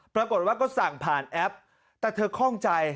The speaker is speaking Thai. ปรากฏว่าก็สั่งผ่านแอปแต่เธอคล่องใจ